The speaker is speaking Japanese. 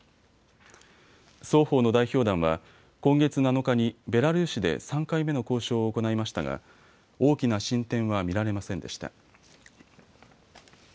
双方の代表団は今月７日にベラルーシで３回目の交渉を行いましたが大きな進展は見られませんでした。